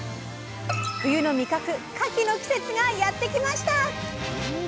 冬の味覚かきの季節がやって来ました。